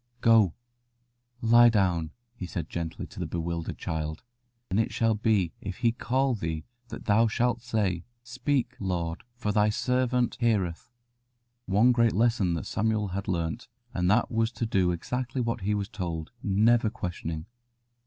"Go, lie down," he said gently to the bewildered child, "and it shall be if He call thee that thou shalt say, 'Speak, Lord, for Thy servant heareth.'" One great lesson Samuel had learnt, and that was to do exactly what he was told, never questioning.